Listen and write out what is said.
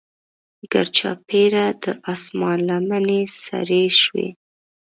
ګرچاپیره د اسمان لمنې سرې شوې.